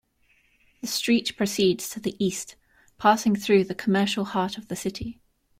The street proceeds to the east, passing through the commercial heart of the city.